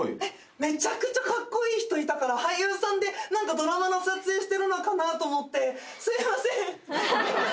めちゃくちゃカッコイイ人いたから俳優さんでドラマの撮影してるのかなと思ってすいません！